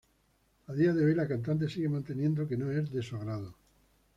A día de hoy la cantante sigue manteniendo que no es de su agrado.